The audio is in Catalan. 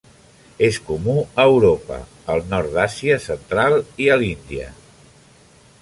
És comú a Europa, el nord d'Àsia central i a l'Índia.